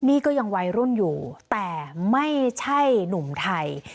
นี่ก็ยังวัยรุ่นอยู่แต่ไม่ใช่หนุ่มไทย